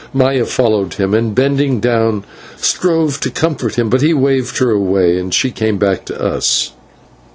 Maya followed him and, bending down, strove to comfort him, but he waved her away and she came back to us.